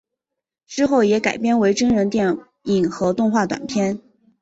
之后也改编为真人电影和动画短片。